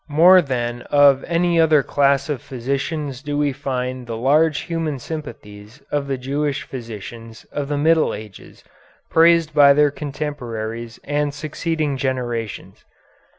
More than of any other class of physicians do we find the large human sympathies of the Jewish physicians of the Middle Ages praised by their contemporaries and succeeding generations.